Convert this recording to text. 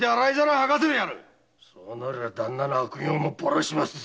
そうなりゃ旦那の悪行もばらしますぜ。